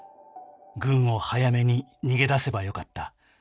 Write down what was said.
「軍を早めに逃げ出せばよかった」